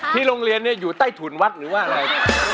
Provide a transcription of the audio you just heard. ที่โรงเรียนเนี่ยอยู่ใต้ถุ่นวัดหรือว่าไร